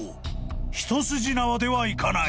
［一筋縄ではいかない］